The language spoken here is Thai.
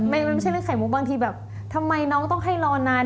มันไม่ใช่เรื่องไข่มุกบางทีแบบทำไมน้องต้องให้รอนาน